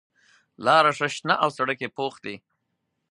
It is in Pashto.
لاره ښه شنه او سړک یې پوخ دی.